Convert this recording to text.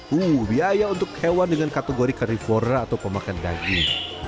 wuh biaya untuk hewan dengan kategori carrifora atau pemakan daging